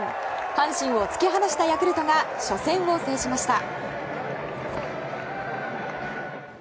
阪神を突き放したヤクルトが初戦を制しました。